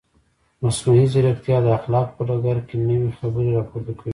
مصنوعي ځیرکتیا د اخلاقو په ډګر کې نوې خبرې راپورته کوي.